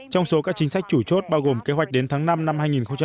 trong số các chính sách chủ chốt bao gồm kế hoạch đến tháng năm năm hai nghìn hai mươi